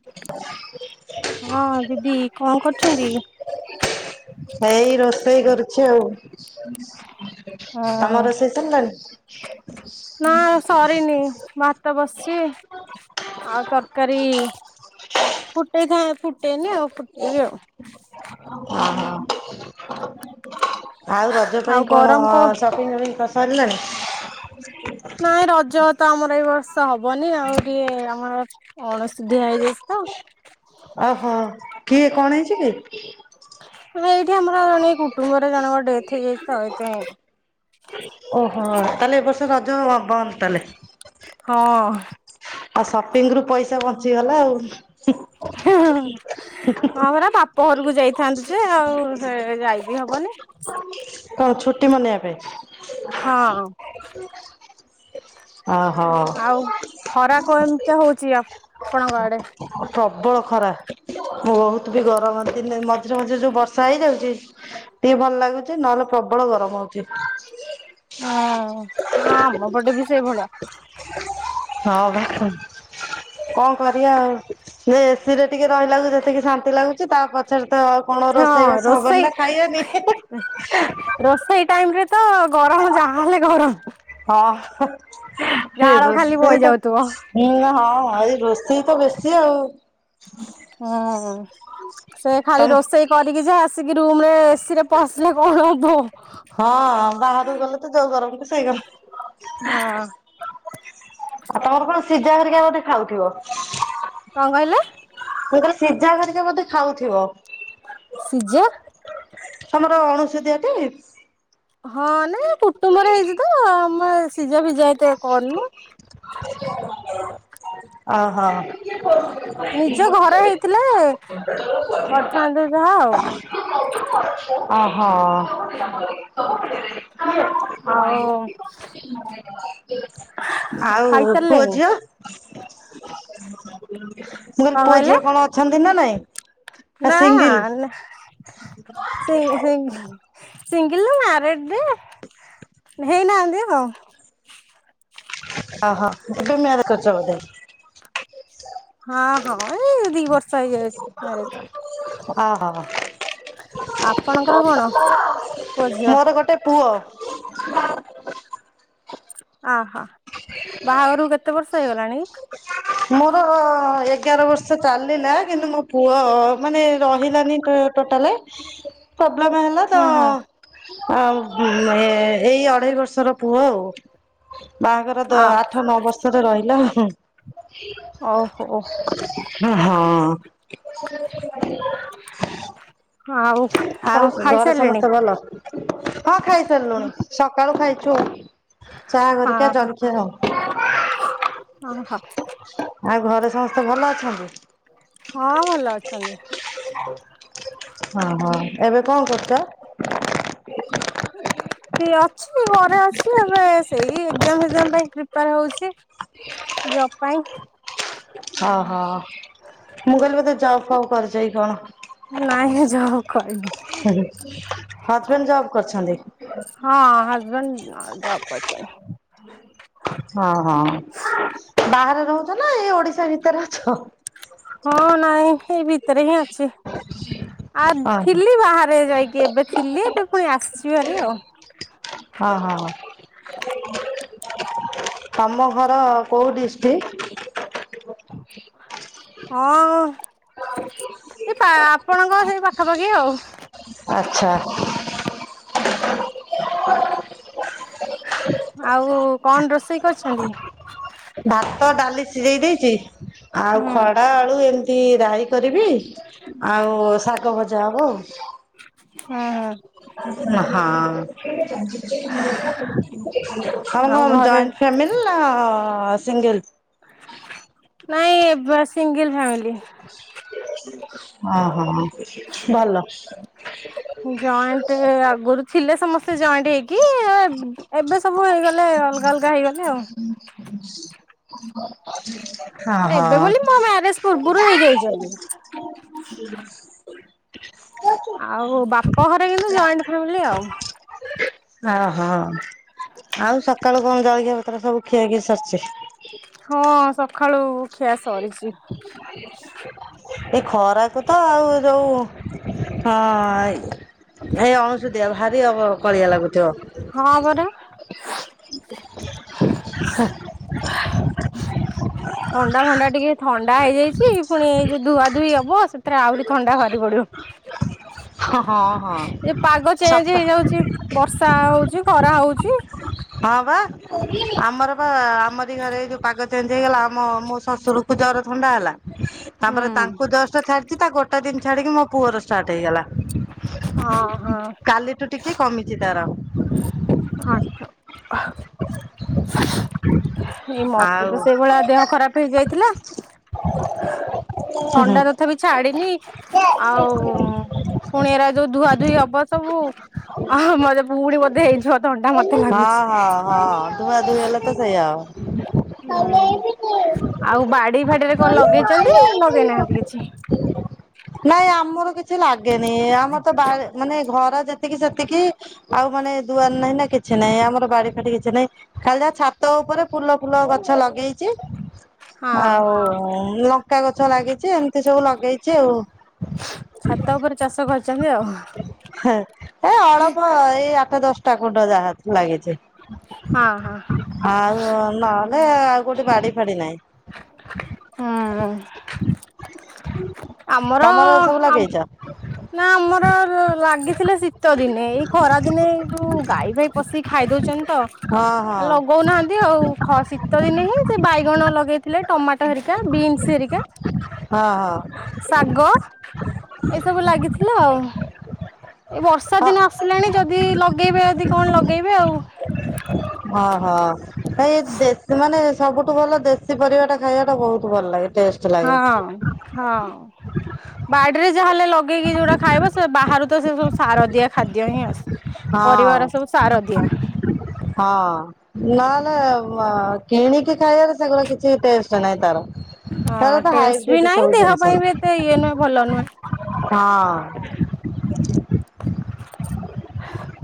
[unintelligible] ହଁ ଦିଦି କଣ କରୁଚନ୍ତି? ହେଇ ରୋଷେଇ କରୁଛି ଆଉ ତମ ହଁ ରୋଷେଇ ସରିଲାଣି? ନା ସରିନି ଭାତ ବସିଛି ଆଉ ତରକାରୀ ଫୁଟେଇଥାନ୍ତ୍ ଫୁଟ୍ ଫୁଟେଇନି ଆଉ ଫୁଟେଇବି ଆଉ ଓହୋ। ଆଉ ରଜ ଆଉ ପାଇଁ କଣ ଗରମ କ ସପିଙ୍ଗ ଫପିଙ୍ଗ କରି ସାରିଲଣି? ନାଇଁ ରଜ ତ ଆମର ଏ ବର୍ଷ ହବନି ଆଉ ଟିକେ ଆମର ଅଣସୁଧିଆ ହେଇଯାଇଚି ତ। ଓହୋ କିଏ କଣ ହେଇଚିକି ଏଇଠି ଆମର ଜଣେ କୁଟମ୍ବରେ ଜଣଙ୍କର ଡେଥ ହେଇଯାଇଚି ତ ସେଇଥିପାଇଁ ଓହୋ ତାହେଲେ ଏ ବର୍ଷ ରଜ ହବନି ତାହେଲେ ହଁ, ଆଉ ସପିଙ୍ଗରୁ ପଇସା ବଞ୍ଚିଗଲା ଆଉ ଏ ହ ହଁ ପରା ବାପ ଘରକୁ ଯାଇଥାନ୍ତିଯେ ଆଉ ଯାଇବିି ହବନି। କଣ ଛୁଟି ମନେଇବା ପାଇଁ। ହଁ, [unintelligible] ଓହୋ। ଆଉ ଖରା କୋମିତିଆ ହଉଛି ଆପଣଙ୍କ ଆଡେ। ପ୍ରବଳ ଖରା ବହୁତବି ଗରମ ଦିନେ ମଝିରେ ମଝିରେ ଯୋଉ ବର୍ଷା ହେଇଯାଉଛି ଟିକେ ଭଲ ଲାଗୁଚି ନହେଲେ ପ୍ରବଳ ଗରମ ହଉଚି। ହୁଁ ହଁ ଆମ ପଟେବି ସେଇ ଭଳିଆ ହଁ ବା କଣ କରିବା ଆଉ ସେ ଏସିରେ ଟିକେ ରହିଲାଳୁକୁ ଯେତିକି ଶାନ୍ତି ଲାଗୁଚି ତା ପଛରେତ କଣ ହଁ ରୋଷେଇବାସ ହବନି ରୋଷେଇ ନା ଖାଇବାନି ରୋଷେଇ ଟାଇମରେତ ଗରମ ଯାହାହଲେ ଗରମ ହଁ ହ ସେ ଝାଳ ଖାଲି ବୋହି ରୋସେଇଟା। ଯାଉଥିବ। ହୁଁ ହଁ ଏଇ ରୋଷେଇତ ବେଶୀ ଆଉ। ହୁ ହଁ ସେ ଖାଲି ତମ ରୋଷେଇ କରିକି ଯାହା ଆସିକି ରୁମରେ ଏସିରେ ପସିଲେ କଣ ହବ ହଁ ହଁ ବାହାରକୁ ଗଲେତ ଯୋଉ ଗରମକୁ ସେଇଗରମ। ହଁ ତମର କଣ ସିଝା ହେରିକ ବୋଧେ ଖାଉଥିବ। କଣ କହିଲେ। ମୁଁ କହିଲି ସିଝା ହେରିକି ବୋଧ୍ୟେ ଖାଉଥିବ। ସିଜା ତମର ଅଣସୁଧିଆଟି ହଁ ନାଇଁ କୁଟୁମ୍ବରେ ହେଇଚିତ ଆମେ ସିଝା ଫିଜା ଏତେ କରନୁ ଓ ହୋ [unintelligible] ନିଜ ଘରେ ହେଇଥିଲେ, କରିଥାନ୍ତୁ ଯାହା ଆଉ [unintelligible] ଅ ହ, ଆଉ ଆଉ ପୁଅ ଖାଇସାରିଲେଣି ଝିଅ ମୁ କହିଲି କଣ ପୁଅ ଝିଅ କହିଲେ କଣ ଅଛନ୍ତି ନା ନାଇଁ ନା ସିଙ୍ଗ ସିଙ୍ଗ ସିଙ୍ଗିଲ ନୁହେ ମ୍ୟାରେଡ ଯେ ହେଇନାହାନ୍ତି ହ ଅ ହ ଏବେ ମ୍ୟାରେଜ୍ କରିଚ ବୋଧେ ହଁ ହଁ ଏଇ ଦି ବର୍ଷ ହେଇଯାଉଛି ମ୍ୟାରେଜ କୁ ଓହୋ ଆପଣଙ୍କର କଣ ପୁଅ ଝିଅ ମୋର ଗୋଟେ ପୁଅ ଅ ହୋ ବାହାଘର କୁ କେତେ ବର୍ଷ ହେଇଗଲାଣି? ମୋର ଏଗାର ବର୍ଷ ଚାଲିଲା କିନ୍ତୁ ମୁଁ ପୁଅ ମାନେ ରହିଲାନି ଟୋଟାଲ ପ୍ରୋବ୍ଲେମ୍ ହେଲା ଲା ହୁଁ ହୁଁ ତ ଆଉ ଏଇ ଅଢେଇ ବର୍ଷର ପୁଅ ଆଉ ବାହାଘର ତ ଆ ଆଠ ନଅ ବର୍ଷରେ ରହିଲା ଓ ହୋ ହଁ ଆଉ କଣ ଆଉ ଘରେ ଖାଇସାରିଲେଣି ସମସ୍ତେ ଭଲ? ହଁ ଖାଇ ସାରିଲୁଣି ହଁ ସକାଳୁ ଖାଇଚୁ ଚା ହେରିକା ହଁ ଜଲଖିଆ ଓହୋ ହଁ ଆଉ ଘରେ ସମସ୍ତେ ଭଲ ଅଛନ୍ତି? ହଁ ଭଲ ଅଛନ୍ତି। ହଁ ହଁ ଏବେ କଣ କରୁଛ? କି ଅଛି ଘରେ ଅଛି ଏବେ। ସେଇ ଏକଜା ମ୍ ଫେଗ୍ ଯାମ୍ ପ୍ରିପୋୟାର ହଉଛି ଜବ ପାଇଁ ହ ହ ମୁ କହିଲି ବୋଧେ ଯବ୍ ଫବ୍ କରିଛ କି କଣ। ନାଇଁ ଯବ୍ କରିନି ହଯବେଣ୍ଡ ଜବ୍ କରିଛନ୍ତି? ହଁ ହଯବେଣ୍ଡ ଜବ କରଛନ୍ତି। ହଁ ହଁ ବାହାରେ ରହୁଛ ନା ଏଇ ଓଡିଶା ଭିତରେ ଅଛ? ହଁ ନାଇଁ ସେଇ ଭିତରେ ହିଁ ଅଛି ଆଗେ ହଁ। ଥିଲି ବାହାରେ ଯାଇକି ଏବେ ଥିଲି ଏବେ ପୁଣି ଆସିିଛି ହେରି ଆଉ ହଁ ହଁ ତମ ଘର କୋଉ ଡିସଟ୍ରିକଟ୍? ହଁ ଏ ପା ଆପଣଙ୍କ ସେଇ ପାଖାପାଖି ଆଉ ଆଚ୍ଛା ହଁ ଆଉ କଣ ରୋଷେଇ କରିଛନ୍ତି? ଭାତ ଡାଲି ସିଝେଇ ଦେଇଛି ହୁଁ ଆଉ ଖଡା ଆଳୁ ଏମିତି ରାହି କରିବି ଆଉ ଶାଗ ଭଜା ହବ ହୁଁ ହୁଁ ଆଉ ମା ହଁ ତମର ଆଉ କଣ ଘରେ ଜଏଣ୍ଟ ଫ୍ୟାମିଲି ନା ସିଙ୍ଗଲ? ନାଇଁ ସିଙ୍ଗଲ ଫ୍ୟାମିଲି ଓ ହୋ ଭଲ ଜଏଣ୍ଟ ଆଗରୁ ଥିଲେ ସମସ୍ତେ ଜଏଣ୍ଟ ହେଇକି ଏବେ ସବୁ ହେଇଗଲେ ଅଲଗା ଅଲଗା ହେଇଗଲେ ଆଉ ହଁ ମାନେ ହଁ ଏବେ ବୋଲି ମୋ ମ୍ୟାରେଜ ପୂର୍ବରୁ ହେଇଯାଇଛନ୍ତି। [unintelligible] ଆଉ ବାପ ଘରେ କିନ୍ତୁ ଜଏଣ୍ଟ ଫ୍ୟାମିଲି ଆଉ ଓହୋ ଆଉ ସକାଳୁ କଣ ଜଳଖିଆ ପତ୍ର ସବୁ ଖିଆ ଖିଇ ସରିଛି? ହଁ ସକାଳୁ ଖିଆ ସରିଛି। ଏଇ ଖରାକୁ ତ ଆଉ ଯୋଉ ହଁ ଏ ଭାରି ବିକଳିଆ ଲାଗୁଥିବ। ହଁ ପରା। ।। ଥଣ୍ଡା ଫଣ୍ଡା ଟିକେ ଥଣ୍ଡା ହେଇଯାଇଛି ପୁଣି ଏଇ ଯୋଉ ଧୁଆ ଧୁଇ ହବ ସେଥିରେ ଆହୁରି ଥଣ୍ଡା ବାହାରି ପଡିବ। ହଁ ହଁ ଏ ପାଗ ଚେଞ୍ଜ ସତ। ହେଇଯାଉଛି ବର୍ଷା ହେଉଛି ଖରା ହେଉଛି। ହଁ ବା ଆମର ବା ଆମରି ଘରେ ଯୋଉ ପାଗ ଚେଞ୍ଜ ହେଇଗଲା ଆମ ମୋ ଶଶୁର ଜର ଥଣ୍ଡା ହେଲା। ତାପରେ ହଁ ତାଙ୍କୁ ଜଷ୍ଟ ଛାଡିଛି ତା ଗୋଟେ ଦିନ ଛାଡିକି ମୋ ପୁଅର ଷ୍ଟାର୍ଟ ହେଇଗଲା। କାଲିଠୁ ଟିକେ କମିଛି ତାର। ଆଛା। । ଏଇ ମତେ ତ ସେଇଭଳିଆ ଦେହ ଖରାପ ହେଇଯାଇଥିଲା। ହଁ ହଁ ଥଣ୍ଡା ତଥାପି ଛାଡିନି ଆଉ ପୁଣି ଏରା ଯୋଉ ଧୁଆଧୁଇ ହବ ସବୁ ମତେ ପୁଣି ବୋଧେ ହେଇଯିବ। ଥଣ୍ଡା ମତେ ହଁ ଲାଗୁଛି। ହଁ ହଁ ଧୁଆ ଧୁଇ ହେଲେ ତ ସେଇଆ। ହୁଁ ଆଉ। ଆଉ ବାଡି ଫାଡିରେ କଣ ଲଗେଇଛନ୍ତି ନା ଲଗେଇନାହାନ୍ତି କିଛି? ନାଇଁ ଆମର କିଛି ଲାଗେନି ଆମର ତ ବାହାରେ ମାନେ ଘର ଯେତେ ଯେତିକି ସେତିକି ଆଉ ମାନେ ଦୁଆର ନାହିଁ ନା କି କିଛି ନାଇଁ ଆମର ବାଡି ଫାଟି କିଛି ନାହିଁ ଖାଲି ଯାହା ଛାତ ଉପରେ ଫୁଲ ଫୁଲ ଗଛ ଲଗେଇଛି। ହଁ ଆଉ ଲଙ୍କା ଗଛ ଲାଗିଛି ଏମିତି ସବୁ ଲଗେଇଛି ଆଉ। ଛାତ ଉପରେ ଚାଷ କରିଛନ୍ତି ଆଉ। ଏ ଅଳ୍ପ ଏଇ ଆଠ ଦଶଟା କୁଣ୍ଡ ଯାହା ଲାଗିଛି। ହଁ ହଁ। ଆଉ ନହେଲେ ଆଉ କୋଉଠି ବାଡି ଫାଡି ନାହିଁ। ହୁଁ ଆମର ତମର ସବୁ ଆ ଲଗେଇଛ ନା ଆମର ଲାଗିଥିଲା ଶୀତ ଦିନେ ଏଇ ଖରା ଦିନେ ଯୋଉ ଗାଈ ଫାଈ ପଶିକି ଖାଇ ଦଉଛନ୍ତି ହଁ ହଁ ତ ଲଗଉନାହାନ୍ତି ଆଉ ଖ ଶୀତ ଦିନେ ହିଁ ସେ ବାଇଗଣ ଲଗେଇ ଥିଲେ ଟମାଟୋ ହେରିକା ବିନ୍ସ ହେରିକା ହଁ ହଁ ଶାଗ ଏ ସବୁ ଲାଗିଥିଲା ଆଉ। ଏ ବର୍ଷା ହଁ। ଦିନ ଆସିଲାଣି ଯଦି ଲଗେଇବେ ଯଦି କଣ ଲଗେଇବେ ଆଉ। । ଓହୋ ଏ ଦେଶୀ ମାନେ ସବୁଠୁ ଭଲ ଦେଶୀ ପରିବାଟା ଖାଇବାଟା ବହୁତ ଭଲ ଲାଗେ ଟେଷ୍ଟ। ଲାଗେ ହଁ ହଁ ବାଡିରେ ଯାହାଲେ ଲଗ। ଗେଇକି ଯୋଉଟା ଖାଇବ ସେ ବାହାରୁ ତ ସେ ସବୁ ସାର ଦିଆ ଖାଦ୍ୟ ହିଁ ଆସେ। ହଁ ପରିବାଗୁରା ସବୁ ସାର ଦିଆ। ହଁ। ନହେଲେ କିଣିକି ଖାଇବାରେ ସେଗୁରା କିଛି ଟଷ୍ଟ ନାହିଁ ତାର। ହଁ ତାର ତ ଟେଷ୍ଟ ବି ହାଇବ୍ରିଡ ନାହିଁ ସବୁ ଦେହ ଜିନିଷ ପାଇଁ ବି ଏତେ ଇଏ ନୁହେଁ ଭଲ ନୁହେଁ। ହଁ।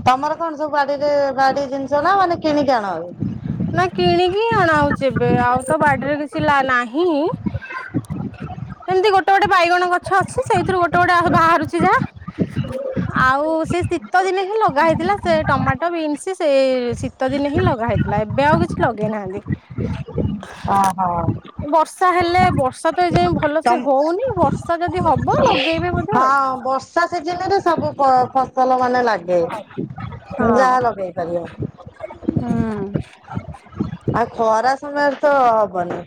ତମର କଣ ସବୁ ବାଡିରେ ବାଡି ଜିନିଷ ନା ମାନେ କିଣିକି ଆଣ। ନା କିଣିକି ଆଣା ହଉଛି ଏବେ ଆଉ ତ ବାଡିରେ କିଛି ନାହିଁ ଏମତି ଗୋଟେ ଗୋଟେ ବାଇଗଣ ଗଛ ଆସୁଛି ସେଇଥିରୁ ଗୋଟେ ଗୋଟେ ବାହାରୁଛି ଯାହା। ହ [inaudible] ଆଉ ସେ ଶୀତ ଦିନେ ହିଁ ଲଗା ହେଇଥିଲା ସେ ଟମାଟୋ ବିନ୍ସ ସେ ଶୀତ ଦିନେ ହିଁ ଲଗା ହେଇଥିଲା ନା ଏବେ ଆଉ କିଛି ଲଗେଇନାହାନ୍ତି ଓ ହୋ ବର୍ଷା ହେଲେ ବର୍ଷା ତ ଏ ଯାଇ ଭଲ ସେ ତମ ହଉନି ବର୍ଷା ଯଦି ହବ ଲଗେଇବେ ବୋଧେ ଆଉ ହଁ ବର୍ଷା ସବୁ ଫସଲ ମାନେ ଲାଗେ ଯାହା ଲଗେଇ ପାରିବ ହୁଁ ଆଉ ଖରା ସମୟରେ ତ ହବନି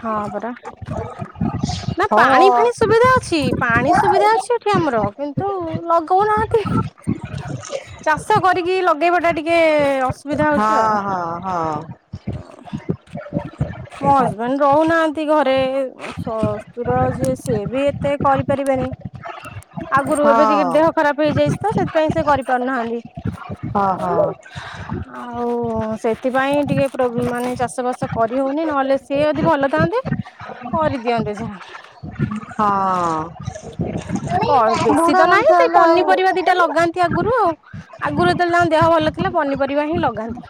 ହଁ ପରା ନା ହଁ। ପାଣି ଫାଣି ସୁବିଧା ଅଛି ପାଣି ସୁବିଧା ହଁ ଅଛି ଏଠି ଆମର କିନ୍ତୁ ଲଗଉନାହାନ୍ତି ଚାଷ କରିକି ଲଗେଇବା ଟା ଟିକେ ଅସୁବିଧା ହଉଛି ଆଉ ହଁ ହଁ ଓ ମୋ ହଜବେଣ୍ଡ ରହୁନାହାନ୍ତି ଘରେ ଶସ୍ତୁର ଯେ ସେ ବି ଏତେ କରିପାରିବେନି ହଁ ଆଗରୁ ଏବେ ଟି କେ ଦେହ ହଁ ଖରାପ ହେଇଯାଇଛି ତ ସେଥିପାଇଁ ସେ କରିପାରୁନାହାନ୍ତି ହଁ ହଁ ଆଉ ସେଥିପାଇଁ ଟିକେ ମାନେ ଚାଷ ବାସ କରି ହଉନି ନହେଲେ ସିଏ ଯଦି ଭଲ ଥାନ୍ତେ କରିଦିଅନ୍ତେ ଯାହା ହଁ ହଁ କ ବେଶୀ ତ ବୁଢା ନାହିଁ ମଣିଷ ସେଇ ହେଲେ ଆଉ ପନିପରିବା ଦିଟା ଲଗାନ୍ତି ଆଗରୁ ଆଉ ଆଗରୁଯେ ତେ ବେ ଳେ ତାଙ୍କ ଦେହ ଭଲ ପନିପରିବା ହିଁ ଲଗାନ୍ତି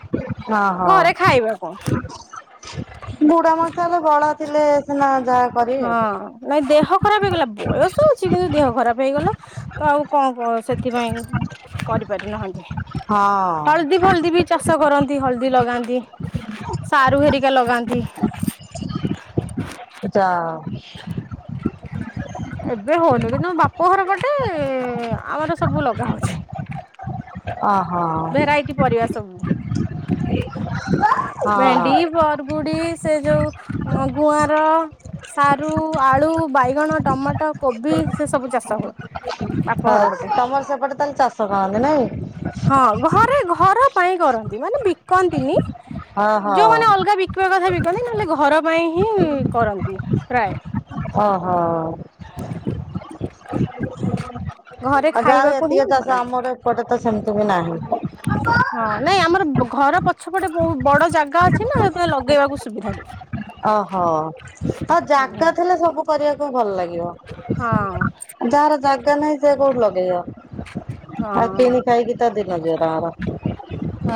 ହଁ ହଁ ଘରେ ଖାଇବା କଣ ବୁଢା ମଣି ଷ ହେଲେ ବ ଳ ଥିଲେ ସେିନା ଯାକ ହଁ ନାଇଁ ଦେହ ଖରାପ ହେଇଗଲା ବୟସ ଅଛି କିନ୍ତୁ ଦେହ ଖରାପ ହେଇଗଲା ତ ଆଉ କଣ ସେଥିପାଇଁ କରିପାରିନାହାନ୍ତି ହଁ ହଳଦୀ ଫଲଦି ବି ଚାଷ କରନ୍ତି ହଳଦୀ ଲଗାନ୍ତି ସାରୁ ହେରିକା ଲଗାନ୍ତି ଜା ହେ ଉ ଏବେ ହଉନି କିନ୍ତୁ ମୋ ବାପ ଘର ପଟେ ଆମର ସବୁ ଲଗା ହଉଛି ଓ ହୋ ଭେରାଇଟି ପରିବା ସବୁ ଭେଣ୍ଡି ବରଗୁଡି ସେ ଯୋଉ ଗୁଆଁର ସାରୁ ଆଳୁ ବାଇଗଣ ଟମାଟୋ କୋବି ସେ ସବୁ ଚାଷ ହୁଏ ବାପ ଘର ହଉ ପଟେ ତମର ସେପଟେ ତାହେଲେ ଚାଷ କରନ୍ତି ନାଇଁ ହଁ ଘରେ ଘର ପାଇଁ କରନ୍ତି ମାନେ ବିକନ୍ତିନି ଓହୋ ଯୋଉମାନେ ଅଲଗା କିବା କଥା ବି କନ୍ତି ନହେଲେ ଘର ପାଇଁ ହିଁ କରନ୍ତି ପ୍ରାୟ ଓ ହଁ ହଁ ଘରେ ଆଉ ଯଉ ଖାଇବାକୁ ହିଁ ଏତିକି ଚାଷ ବନା ଆମର ଏପଟେ ତ ସେମିତି ବି ନାହିଁ ହ [inaudible] ହଁ ନାଇଁ ଆମର ଘର ପଛପଟେ ବହୁତ ବଡ ଜାଗା ଅଛି ନା ଲଗେଇବାକୁ ସୁବିଧାାରେ ଓହୋ ଆଉ ଜାଗା ଥିଲେ ସବୁ କରିବାକୁ ଭଲ ଲାଗିବ ହଁ ଯାହାର ଜାଗା ନାହିଁ ସେ କୋଉଠି ଲଗେଇବ ହଁ ଆ କିିନ ଖାଇ ଦି ତା ଦିନ ଦର ର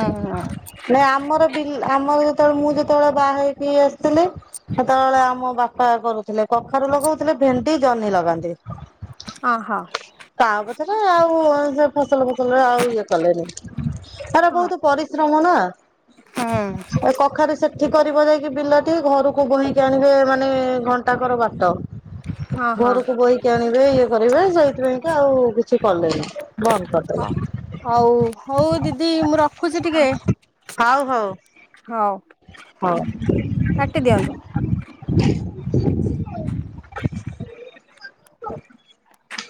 ଅ ନ ଆମରିଲ ଆମର ଯେତେବେଳେ ମୁଁ ଯେତେବେଳେ ବାହା ହେଇକି ଆସିଥିଲି ସେତେବେଳେ ଆମ ବା କରୁଥିଲେ କଖାରୁ ଲଗଉଥିଲେ ଭେଣ୍ଡି ଜହ୍ନି ଲଗାନ୍ତି ହ ହଁ କାଉହା ପଛରେ ଆଉ ସେ ଫସଲ ପ ଏଗୁରା ଆଉ ଇଏ କଲେନି। ଏଗୁରା ବହୁତ ପରିଶ୍ରମ ନା କଖାରୁ ସେଠି କରିବ ଯାଇକି ବିଲଟି। ଘରକୁ ବୋହିକି ଆଣିବେ ମାନେ ଘନ୍ ଟାକର ବାଟ। ହଁ ହଁ ଘରକୁ ବୋହିକି ଆଣିବେ ଇଏ କରିବେ ସେଇଥିପାଇଁ ଆଉ କିଛି କଲେନି ବନ୍ଦ କରିଦେଲେ। ହଉ। ହଉ ଦିଦି ମୁଁ ରଖୁଛି ଟିକେ ହଉ ହଉ। ହଉ, ହଉ। କାଟି ଦିଅନ୍ତୁ। [inaudible]